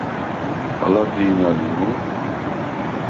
ალა დი̄ნა ლი მო̄?